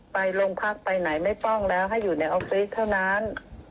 ไปโรงพักไปไหนไม่ป้องแล้วให้อยู่ในออฟฟิศเท่านั้น